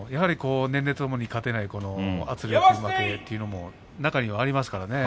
年齢とともに勝てない圧力負けというのも中にはありますからね。